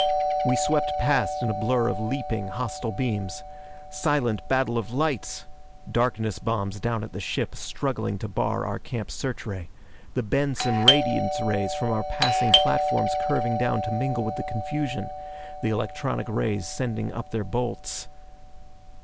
We swept past in a blur of leaping hostile beams. Silent battle of lights! Darkness bombs down at the ship struggling to bar our camp search ray. The Benson radiance rays from our passing platforms curving down to mingle with the confusion. The electronic rays sending up their bolts....